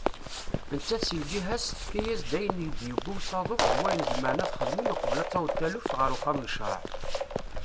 Nettat seg lǧiha-as tefka-yas-d ayen i d-yewwi usaḍuf d wayen zemren ad xedmen uqbel ad taweḍ taluft ɣer uxxam n ccraɛ.